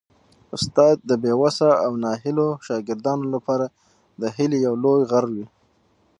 استاد د بې وسه او ناهیلو شاګردانو لپاره د هیلې یو لوی غر وي.